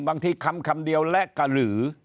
บางทีคำคำเดียวและก็หรือ